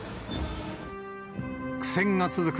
苦戦が続く